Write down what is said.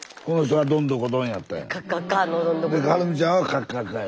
はるみちゃんはカッカッカや。